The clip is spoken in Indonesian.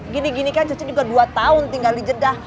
gini gini kan cece juga dua tahun tinggal di jeddah